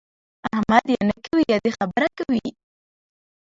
احمد یا نه کوي يا د خبره کوي.